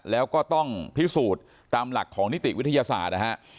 แล้วก็ต้องพิสูจน์ตามหลักของนิติวิทยาศาสตร์นะฮะ